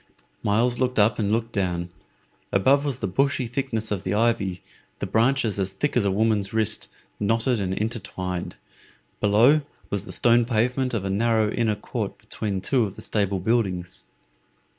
Myles looked up and looked down. Above was the bushy thickness of the ivy, the branches as thick as a woman's wrist, knotted and intertwined; below was the stone pavement of a narrow inner court between two of the stable buildings.